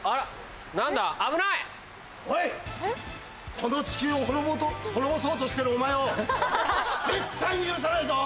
その地球をほろぼと滅ぼそうとしてるお前を絶対に許さないぞ！